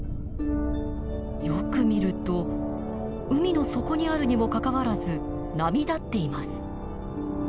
よく見ると海の底にあるにもかかわらず波立っています。